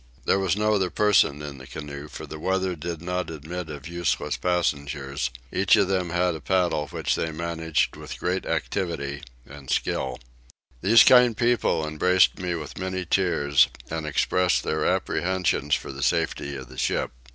There was no other person in the canoe for the weather did not admit of useless passengers: each of them had a paddle which they managed with great activity and skill. These kind people embraced me with many tears and expressed their apprehensions for the safety of the ship.